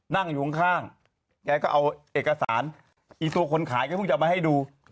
นั่งอยู่ข้างแกก็เอาเอกสารอีกตัวคนขายก็เพิ่งจะมาให้ดู